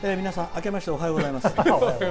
皆さん、あけましておはようございます。